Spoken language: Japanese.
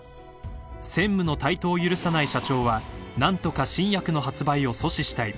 ［専務の台頭を許さない社長は何とか新薬の発売を阻止したい］